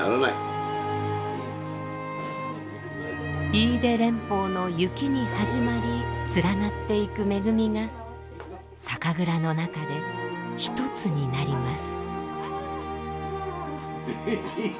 飯豊連峰の雪に始まり連なっていく恵みが酒蔵の中で一つになります。